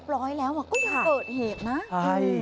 ปล่อยแล้วว่าก็จะเกิดเหตุนะ